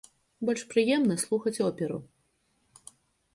Больш прыемна слухаць оперу.